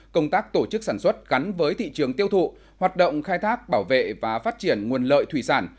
công tác tổ chức sản xuất gắn với thị trường tiêu thụ hoạt động khai thác bảo vệ và phát triển nguồn lợi thủy sản